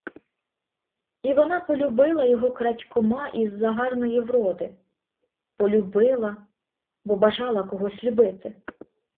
І вона полюбила його крадькома із-за гарної вроди, полюбила, бо бажала когось любити.